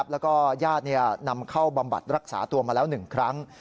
แล้วก็ญาตินำเข้าบำบัดรักษาตัวมาแล้ว๑ครั้ง